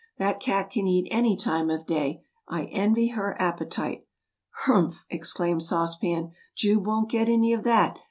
"That cat can eat any time of day! I envy her appetite." "Humph!" exclaimed Sauce Pan, "Jube won't get any of that.